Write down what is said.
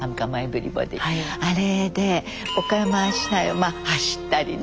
あれで岡山市内をまあ走ったりね